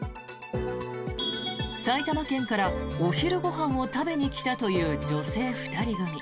埼玉県からお昼ご飯を食べに来たという女性２人組。